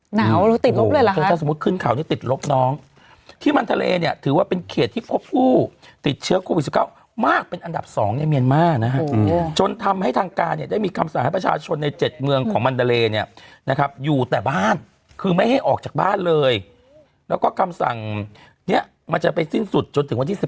หนาวหรือติดลบเลยเหรอคะคือถ้าสมมุติขึ้นเขานี่ติดลบน้องที่มันทะเลเนี่ยถือว่าเป็นเขตที่พบผู้ติดเชื้อโควิด๑๙มากเป็นอันดับ๒ในเมียนมาร์นะฮะจนทำให้ทางการเนี่ยได้มีคำสั่งให้ประชาชนใน๗เมืองของมันดาเลเนี่ยนะครับอยู่แต่บ้านคือไม่ให้ออกจากบ้านเลยแล้วก็คำสั่งนี้มันจะไปสิ้นสุดจนถึงวันที่๑